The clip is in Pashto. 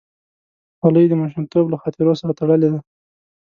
خولۍ د ماشومتوب له خاطرو سره تړلې ده.